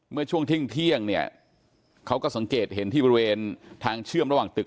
เมื่อช่วงเที่ยงเนี่ยเขาก็สังเกตเห็นที่บริเวณทางเชื่อมระหว่างตึก